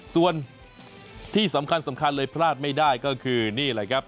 ส่วนที่สำคัญสำคัญเลยพลาดไม่ได้ก็คือนี่แหละครับ